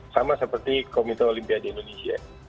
sama seperti komite olimpiade indonesia